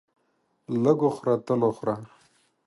لږ وخوره تل وخوره.